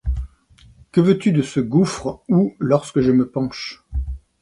Que veux-tu de ce gouffre où, lorsque je me penche